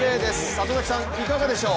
里崎さん、いかがでしょう？